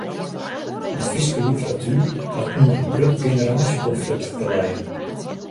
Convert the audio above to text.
De Fryske literatuer hat ûnder in grut generaasjekonflikt te lijen.